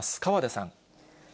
河出さん。